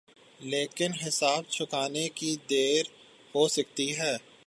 لیکن حساب چکانے کی دیر ہو سکتی ہے۔